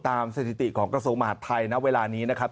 ตามสถิติของกระโสมหัฒน์ไทยณเวลานี้นะครับ